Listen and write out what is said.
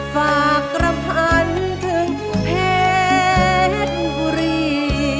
กระพันถึงเพชรบุรี